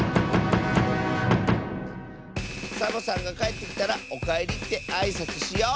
サボさんがかえってきたら「おかえり」ってあいさつしよう！